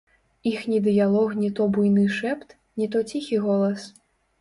Іхні дыялог не то буйны шэпт, не то ціхі голас.